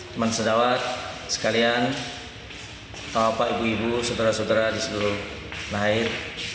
teman sedawat sekalian bapak ibu ibu saudara saudara di seluruh lahir